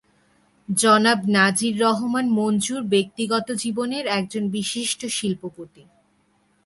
জনাব নাজির রহমান মঞ্জুর ব্যক্তিগত জীবনে একজন বিশিষ্ট শিল্পপতি।